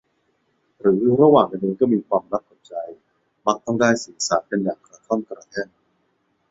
หรือระหว่างกันเองก็มีความลับกับใจ มักต้องได้สื่อสารกันอย่างกระท่อนกระแท่น